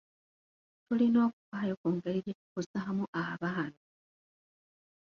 Tulina okufaayo ku ngeri gye tukuzaamu abaana.